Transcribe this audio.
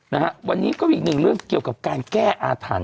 นะฮะวันนี้ก็อีกหนึ่งเรื่องเกี่ยวกับการแก้อาถรรพ